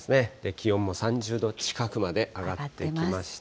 気温も３０度近くまで上がってきました。